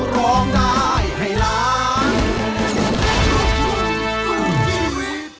โปรดติดตามตอนต่อไป